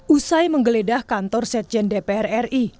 usai menggeledah kantor sekjen dpr ri